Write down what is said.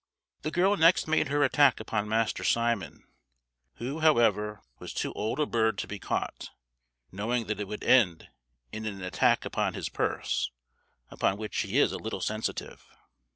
[Illustration: The General in the Toils] The girl next made her attack upon Master Simon, who, however, was too old a bird to be caught, knowing that it would end in an attack upon his purse, about which he is a little sensitive.